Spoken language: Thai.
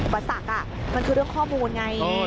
บรรสักอ่ะมันคือเรื่องข้อมูลไง